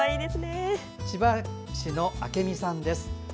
千葉市のあけみさんです。